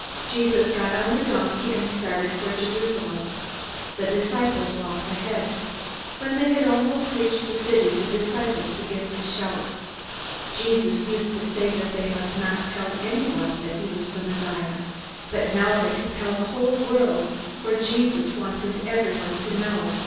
Jesus got on the donkey, and started for Jerusalem. The disciples walked ahead. When they had almost reached the city, the disciples began to shout. Jesus used to say that they must not tell anyone that he was the Messiah. But now they could tell the whole world, for Jesus wanted everyone to know.